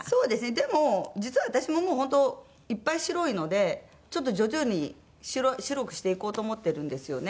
でも実は私ももう本当いっぱい白いのでちょっと徐々に白くしていこうと思ってるんですよね。